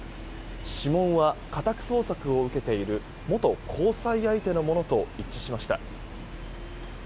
指紋は、家宅捜索を受けている元交際相手のものと一致しました。